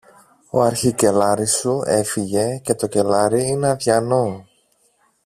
ο αρχικελάρης σου έφυγε και το κελάρι είναι αδειανό.